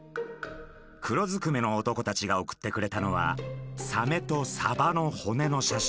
黒ずくめの男たちが送ってくれたのはサメとサバの骨の写真。